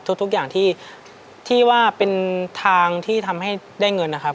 ทุกอย่างที่ว่าเป็นทางที่ทำให้ได้เงินนะครับ